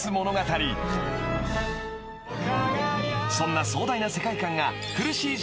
［そんな壮大な世界観が］